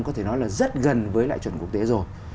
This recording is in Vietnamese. có thể nói là rất gần với lại chuẩn quốc tế rồi